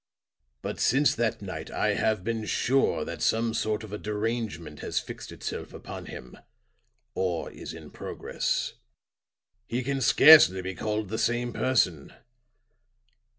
But since that night I have been sure that some sort of a derangement had fixed itself upon him, or is in progress. He can scarcely be called the same person.